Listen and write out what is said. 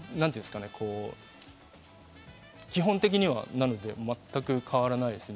基本的には全く変わらないですね。